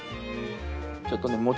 ちょっとね